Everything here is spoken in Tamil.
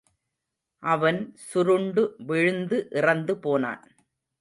அவன் சுருண்டு விழுந்து இறந்து போனான்.